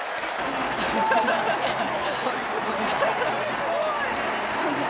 すごい！